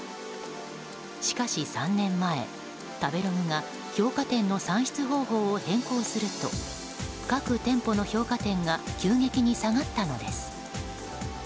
しかし３年前、食べログが評価点の算出方法を変更すると各店舗の評価点が急激に下がったのです。